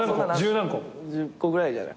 １０個くらいじゃない？